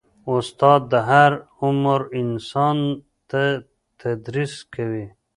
استاد د هر عمر انسان ته تدریس کوي.